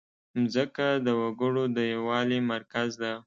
مځکه د وګړو د یووالي مرکز ده.